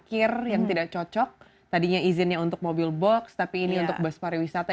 kir yang tidak cocok tadinya izinnya untuk mobil box tapi ini untuk bus pariwisata